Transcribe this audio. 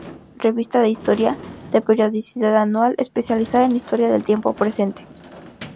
Revista de historia", de periodicidad anual, especializada en historia del tiempo presente.